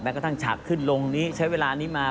กระทั่งฉากขึ้นลงนี้ใช้เวลานี้มา